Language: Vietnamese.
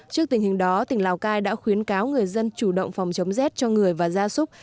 trước tình hình đó tỉnh lào cai đã khuyến cáo người dân chủ động phòng chống rét cho người và gia súc